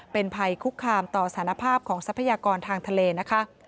เป็นภัยคุกคามต่อสารภาพของทรัพยากรทางทะเลนะคะ